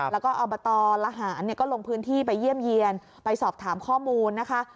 แล้วก็อบตระหารก็ลงพื้นที่ไปเยี่ยมเยี่ยนไปสอบถามข้อมูลนะคะ